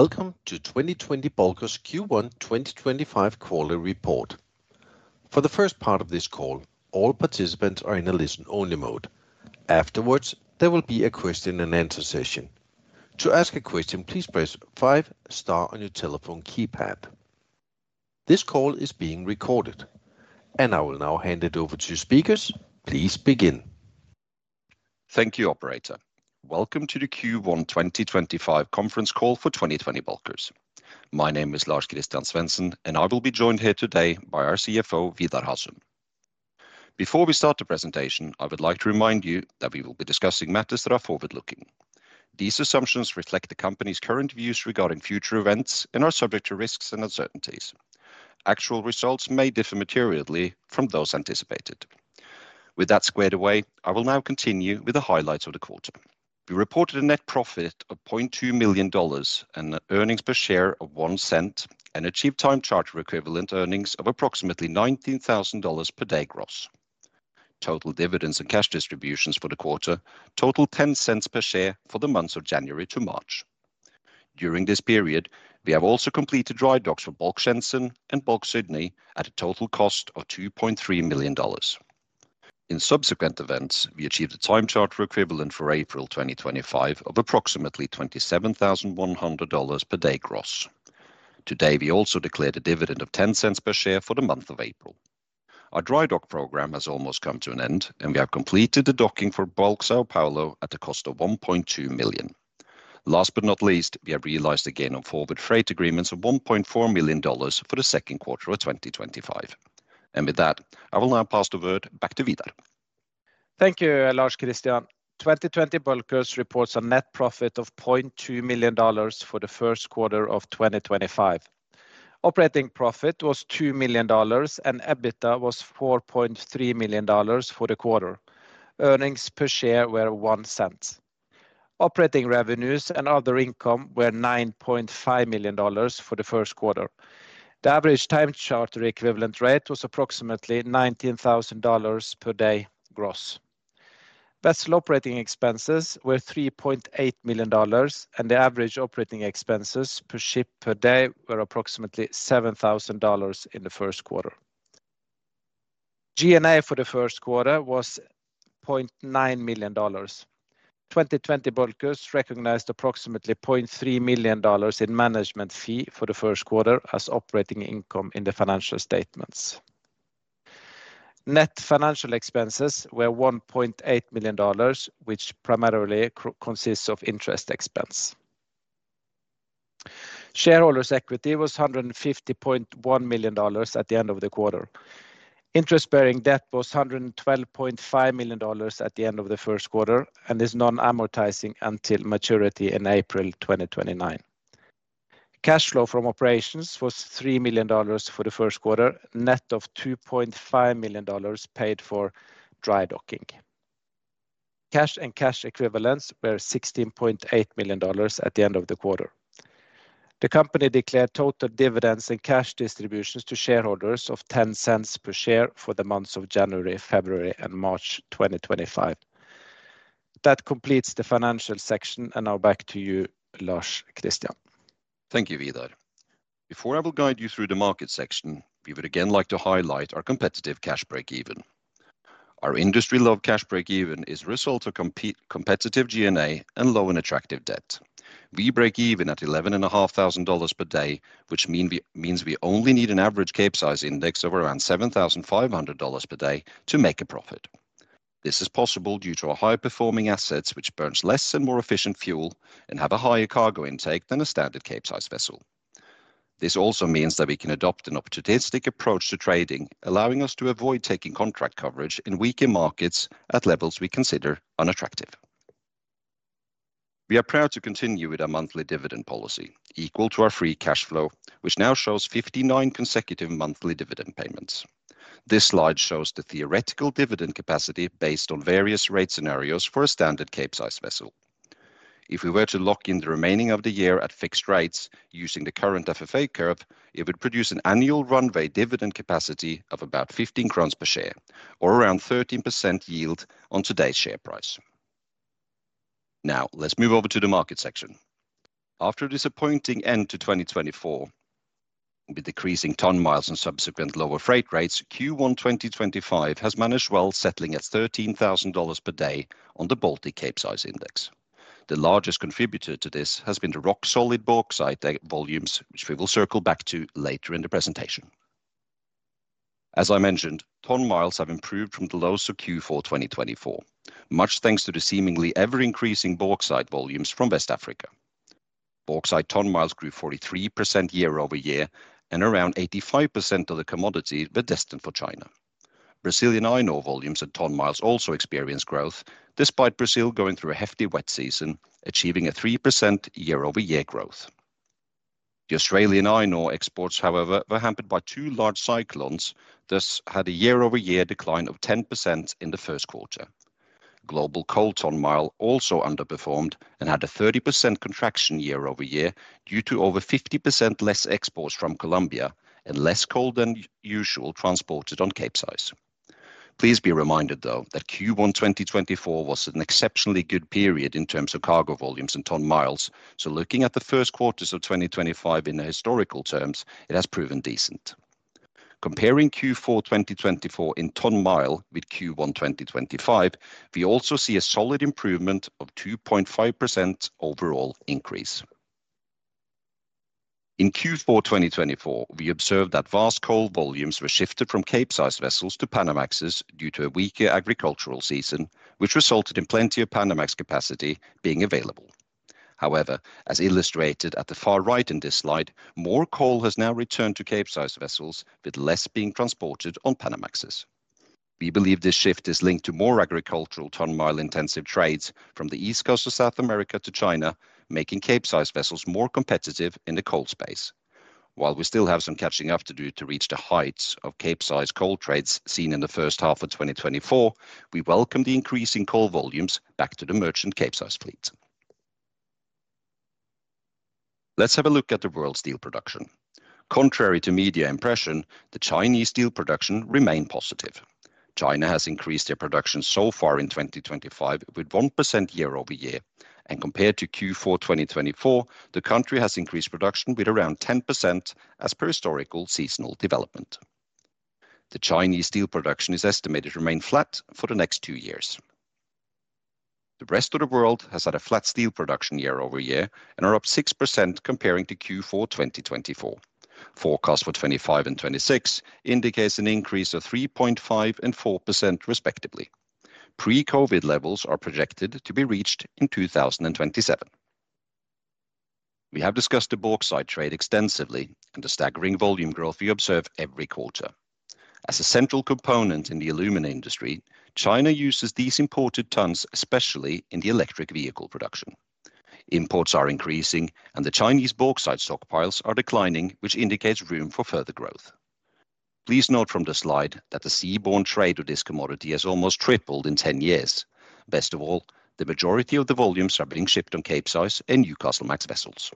Welcome to 2020 Bulkers Q1 2025 quarterly report. For the first part of this call, all participants are in a listen-only mode. Afterwards, there will be a question-and-answer session. To ask a question, please press 5-star on your telephone keypad. This call is being recorded, and I will now hand it over to your speakers. Please begin. Thank you, Operator. Welcome to the Q1 2025 conference call for 2020 Bulkers. My name is Lars-Christian Svensen, and I will be joined here today by our CFO, Vidar Hasund. Before we start the presentation, I would like to remind you that we will be discussing matters that are forward-looking. These assumptions reflect the company's current views regarding future events and are subject to risks and uncertainties. Actual results may differ materially from those anticipated. With that squared away, I will now continue with the highlights of the quarter. We reported a net profit of $0.2 million and earnings per share of $0.01, and achieved time charter equivalent earnings of approximately $19,000 per day gross. Total dividends and cash distributions for the quarter totaled $0.10 per share for the months of January to March. During this period, we have also completed dry docks for Bulk Shanghai and Bulk Sydney at a total cost of $2.3 million. In subsequent events, we achieved a time charter equivalent for April 2025 of approximately $27,100 per day gross. Today, we also declared a dividend of $0.10 per share for the month of April. Our dry dock program has almost come to an end, and we have completed the docking for Bulk Sao Paulo at a cost of $1.2 million. Last but not least, we have realized the gain on forward freight agreements of $1.4 million for the second quarter of 2025. With that, I will now pass the word back to Vidar. Thank you, Lars-Christian. 2020 Bulkers reports a net profit of $0.2 million for the first quarter of 2025. Operating profit was $2 million, and EBITDA was $4.3 million for the quarter. Earnings per share were $0.01. Operating revenues and other income were $9.5 million for the first quarter. The average time charter equivalent rate was approximately $19,000 per day gross. Vessel operating expenses were $3.8 million, and the average operating expenses per ship per day were approximately $7,000 in the first quarter. G&A for the first quarter was $0.9 million. 2020 Bulkers recognized approximately $0.3 million in management fee for the first quarter as operating income in the financial statements. Net financial expenses were $1.8 million, which primarily consists of interest expense. Shareholders' equity was $150.1 million at the end of the quarter. Interest-bearing debt was $112.5 million at the end of the first quarter and is non-amortizing until maturity in April 2029. Cash flow from operations was $3 million for the first quarter, net of $2.5 million paid for dry docking. Cash and cash equivalents were $16.8 million at the end of the quarter. The company declared total dividends and cash distributions to shareholders of $0.10 per share for the months of January, February, and March 2025. That completes the financial section, and now back to you, Lars-Christian. Thank you, Vidar. Before I will guide you through the market section, we would again like to highlight our competitive cash break-even. Our industry-loved cash break-even is the result of competitive G&A and low and attractive debt. We break even at $11,500 per day, which means we only need an average Cape Size index of around $7,500 per day to make a profit. This is possible due to our high-performing assets, which burn less and more efficient fuel and have a higher cargo intake than a standard Cape Size vessel. This also means that we can adopt an opportunistic approach to trading, allowing us to avoid taking contract coverage in weaker markets at levels we consider unattractive. We are proud to continue with our monthly dividend policy, equal to our free cash flow, which now shows 59 consecutive monthly dividend payments. This slide shows the theoretical dividend capacity based on various rate scenarios for a standard cape size vessel. If we were to lock in the remaining of the year at fixed rates using the current FFA curve, it would produce an annual runway dividend capacity of about 15 crowns per share, or around 13% yield on today's share price. Now, let's move over to the market section. After a disappointing end to 2024 with decreasing ton-miles and subsequent lower freight rates, Q1 2025 has managed well, settling at $13,000 per day on the Baltic cape size index. The largest contributor to this has been the rock-solid bauxite volumes, which we will circle back to later in the presentation. As I mentioned, ton-miles have improved from the lows of Q4 2024, much thanks to the seemingly ever-increasing bauxite volumes from West Africa. Bauxite ton-miles grew 43% year over year, and around 85% of the commodity were destined for China. Brazilian iron ore volumes and ton-miles also experienced growth, despite Brazil going through a hefty wet season, achieving a 3% year-over-year growth. The Australian iron ore exports, however, were hampered by two large cyclones, thus had a year-over-year decline of 10% in the first quarter. Global coal ton-miles also underperformed and had a 30% contraction year over year due to over 50% less exports from Colombia and less coal than usual transported on Cape Size. Please be reminded, though, that Q1 2024 was an exceptionally good period in terms of cargo volumes and ton-miles, so looking at the first quarters of 2025 in historical terms, it has proven decent. Comparing Q4 2024 in ton-miles with Q1 2025, we also see a solid improvement of 2.5% overall increase. In Q4 2024, we observed that vast coal volumes were shifted from cape size vessels to Panamaxes due to a weaker agricultural season, which resulted in plenty of Panamax capacity being available. However, as illustrated at the far right in this slide, more coal has now returned to cape size vessels, with less being transported on Panamaxes. We believe this shift is linked to more agricultural ton-mile intensive trades from the East Coast of South America to China, making cape size vessels more competitive in the coal space. While we still have some catching up to do to reach the heights of cape size coal trades seen in the first half of 2024, we welcome the increasing coal volumes back to the merchant cape size fleet. Let's have a look at the world steel production. Contrary to media impression, the Chinese steel production remained positive. China has increased their production so far in 2025 with 1% year-over-year, and compared to Q4 2024, the country has increased production with around 10% as per historical seasonal development. The Chinese steel production is estimated to remain flat for the next two years. The rest of the world has had a flat steel production year-over-year and are up 6% comparing to Q4 2024. Forecasts for 2025 and 2026 indicate an increase of 3.5% and 4% respectively. Pre-COVID levels are projected to be reached in 2027. We have discussed the bauxite trade extensively and the staggering volume growth we observe every quarter. As a central component in the aluminum industry, China uses these imported tons, especially in the electric vehicle production. Imports are increasing, and the Chinese bauxite stockpiles are declining, which indicates room for further growth. Please note from the slide that the seaborne trade of this commodity has almost tripled in 10 years. Best of all, the majority of the volumes are being shipped on Cape Size and Newcastlemax vessels.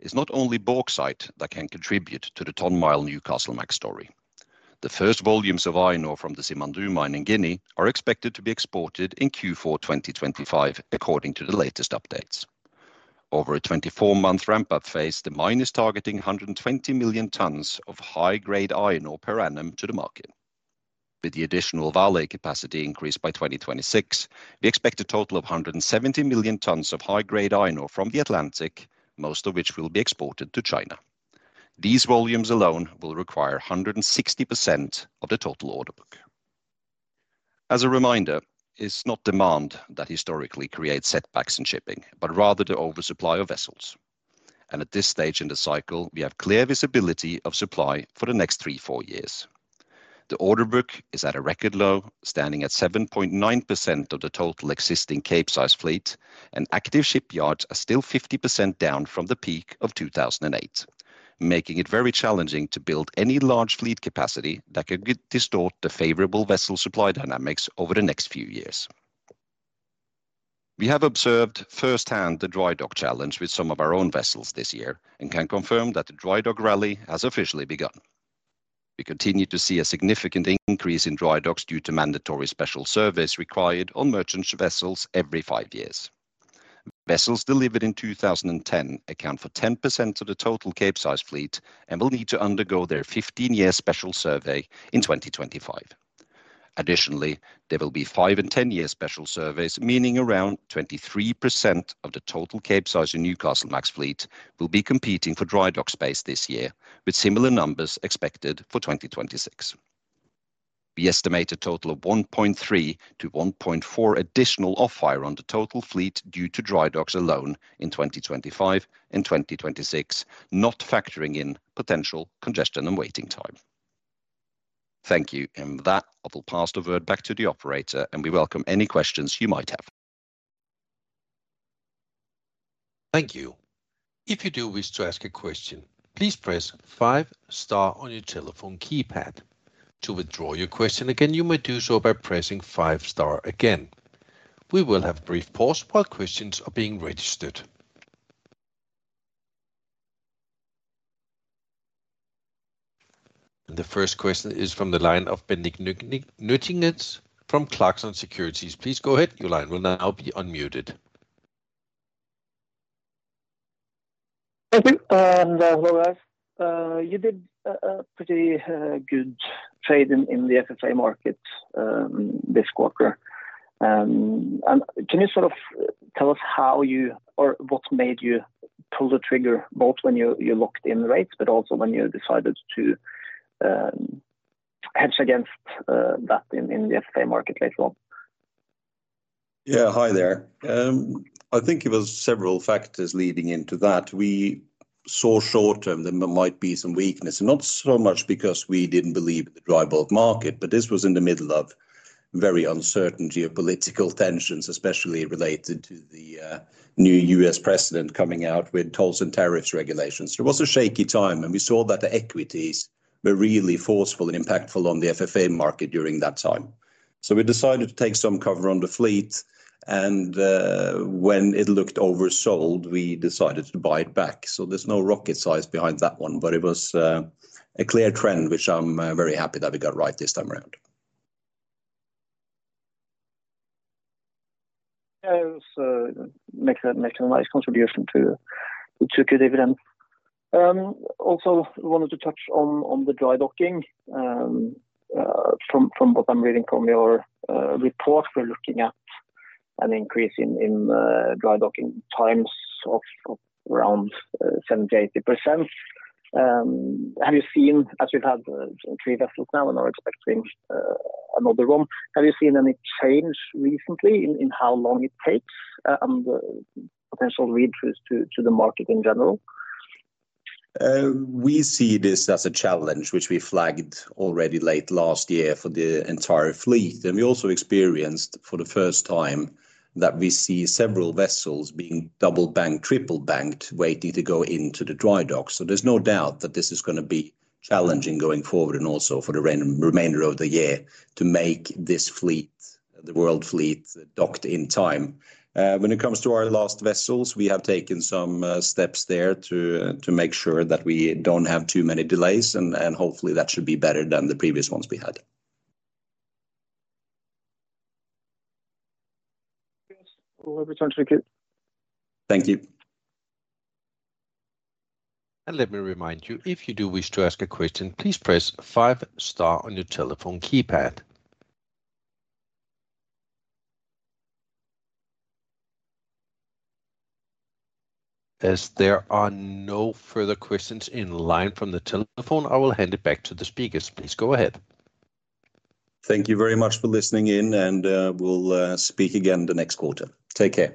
It's not only bauxite that can contribute to the ton-mile Newcastlemax story. The first volumes of iron ore from the Simandou mine in Guinea are expected to be exported in Q4 2025, according to the latest updates. Over a 24-month ramp-up phase, the mine is targeting 120 million tons of high-grade iron ore per annum to the market. With the additional Vale capacity increased by 2026, we expect a total of 170 million tons of high-grade iron ore from the Atlantic, most of which will be exported to China. These volumes alone will require 160% of the total order book. As a reminder, it's not demand that historically creates setbacks in shipping, but rather the oversupply of vessels. At this stage in the cycle, we have clear visibility of supply for the next three to four years. The order book is at a record low, standing at 7.9% of the total existing Cape Size fleet, and active shipyards are still 50% down from the peak of 2008, making it very challenging to build any large fleet capacity that could distort the favorable vessel supply dynamics over the next few years. We have observed firsthand the dry dock challenge with some of our own vessels this year and can confirm that the dry dock rally has officially begun. We continue to see a significant increase in dry docks due to mandatory special service required on merchant vessels every five years. Vessels delivered in 2010 account for 10% of the total Cape Size fleet and will need to undergo their 15-year special survey in 2025. Additionally, there will be 5 and 10-year special surveys, meaning around 23% of the total Cape Size or Newcastlemax fleet will be competing for dry dock space this year, with similar numbers expected for 2026. We estimate a total of 1.3-1.4% additional off-hire on the total fleet due to dry docks alone in 2025 and 2026, not factoring in potential congestion and waiting time. Thank you, and with that, I will pass the word back to the Operator, and we welcome any questions you might have. Thank you. If you do wish to ask a question, please press five-star on your telephone keypad. To withdraw your question again, you may do so by pressing five-star again. We will have a brief pause while questions are being registered. The first question is from the line of Bendik Nyttingnes from Clarksons Securities. Please go ahead. Your line will now be unmuted. Thank you. Hello, Lars. You did a pretty good trade in the FFA market this quarter. Can you sort of tell us how you or what made you pull the trigger, both when you locked in rates, but also when you decided to hedge against that in the FFA market later on? Yeah, hi there. I think it was several factors leading into that. We saw short-term that there might be some weakness, and not so much because we did not believe in the dry bulk market, but this was in the middle of very uncertain geopolitical tensions, especially related to the new U.S. president coming out with tolls and tariffs regulations. It was a shaky time, and we saw that the equities were really forceful and impactful on the FFA market during that time. We decided to take some cover on the fleet, and when it looked oversold, we decided to buy it back. There is no rocket science behind that one, but it was a clear trend, which I am very happy that we got right this time around. Yeah, it was making a nice contribution to good dividends. Also, I wanted to touch on the dry docking. From what I'm reading from your report, we're looking at an increase in dry docking times of around 70%-80%. Have you seen, as we've had three vessels now and are expecting another one, have you seen any change recently in how long it takes and potential read-throughs to the market in general? We see this as a challenge, which we flagged already late last year for the entire fleet. We also experienced for the first time that we see several vessels being double banked, triple banked, waiting to go into the dry dock. There is no doubt that this is going to be challenging going forward and also for the remainder of the year to make this fleet, the world fleet, docked in time. When it comes to our last vessels, we have taken some steps there to make sure that we do not have too many delays, and hopefully that should be better than the previous ones we had. Yes, we'll return to the Q. Thank you. Let me remind you, if you do wish to ask a question, please press five-star on your telephone keypad. As there are no further questions in line from the telephone, I will hand it back to the speakers. Please go ahead. Thank you very much for listening in, and we'll speak again the next quarter. Take care.